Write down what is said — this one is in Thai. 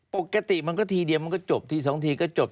ปกติมันก็ทีเดียวมันก็จบทีสองทีก็จบ